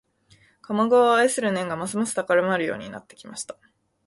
鴨川を愛する念がますます高まるようになってきました